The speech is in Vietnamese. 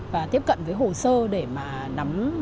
và tiếp cận với hồ sơ để mà